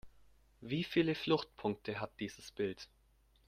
Wie viele Fluchtpunkte hat dieses Bild?